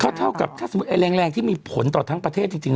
เท่ากับถ้าสมมุติไอแรงที่มีผลต่อทั้งประเทศจริง